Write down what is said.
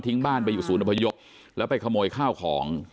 บ้านไปอยู่ศูนย์อพยพแล้วไปขโมยข้าวของ